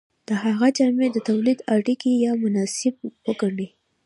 د هغه جامې د تولید اړیکې یا مناسبات وګڼئ.